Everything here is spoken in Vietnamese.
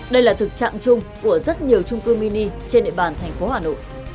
đây là thực trạng chung của rất nhiều trung cư mini trên địa bàn thành phố hà nội